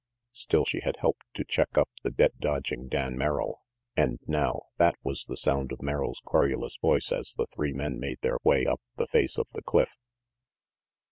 Still, she had helped to check up the debt dodging Dan Merrill and now that was the sound of Merrill's querulous voice as the three men made their way up the face of the cliff.